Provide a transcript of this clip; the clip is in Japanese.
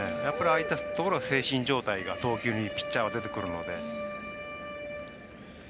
ああいったところが精神状態が投球がピッチャーは出てくるので。